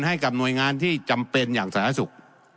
ให้กับหน่วยงานที่จำเป็นอย่างสาธารณสุข